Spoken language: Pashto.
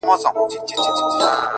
ځایوم پکښي لس غواوي شل پسونه -